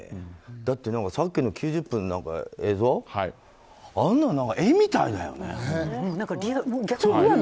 だってさっきの９０分の映像あんなの絵みたいだよね。